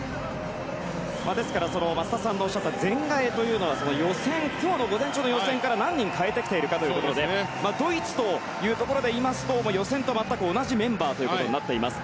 ですから増田さんのおっしゃった全替えというのは今日の午前中の予選から何人代えてきているかというところでドイツというところで言いますと予選と全く同じメンバーとなっています。